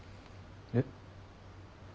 えっ？